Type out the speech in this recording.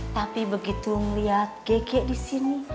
tapi begitu ngeliat gege disini